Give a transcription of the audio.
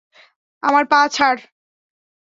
আমার পা ছাড়।